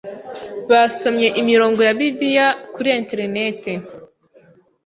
basomye imrongo ya bIbiiya kuri interineti